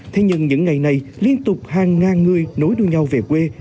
thế nhưng những ngày này liên tục hàng ngàn người nối đuôi nhau về quê